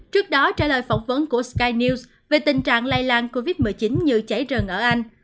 trước đó trả lời phỏng vấn của sky news về tình trạng lây lan covid một mươi chín như cháy rừng ở anh